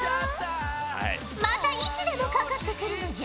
またいつでもかかって来るのじゃ！